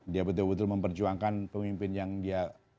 dia betul betul memperjuangkan pemimpin yang dia